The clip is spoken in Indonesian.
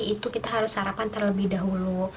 itu kita harus sarapan terlebih dahulu